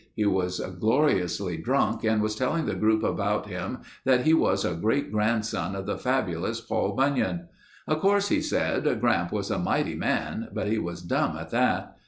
He was gloriously drunk and was telling the group about him that he was a great grand son of the fabulous Paul Bunyan. "Of course," he said, "Gramp was a mighty man, but he was dumb at that.